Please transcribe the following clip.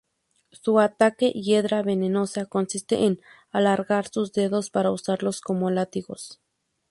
Su ataque hiedra venenosa consiste en alargar sus dedos para usarlos como látigos.